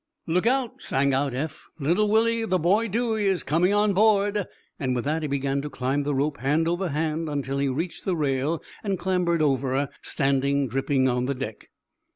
"Look out," sang out Eph. "Little Willie, the Boy Dewey, is coming on board." With that he began to climb the rope, hand over hand, until he reached the rail and clambered over, standing dripping on the deck.